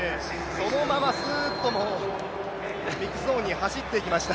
そのまますーっと、もうミックスゾーンに走っていきました。